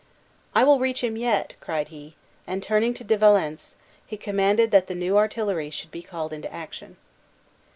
"I will reach him yet!" cried he; and turning to De Valence, he commanded that the new artillery should be called into action.